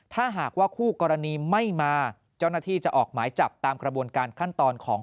ถ้าหากว่าคู่กรณีไม่มาเจ้าหน้าที่จะออกหมายจับตามกระบวนการขั้นตอนของ